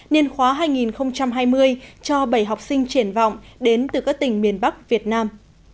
niên khóa hai nghìn hai mươi cho bảy học sinh triển vọng đến từ các tỉnh miền bắc việt nam